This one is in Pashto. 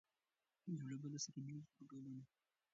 یو له بله سره بېل سو په کلونو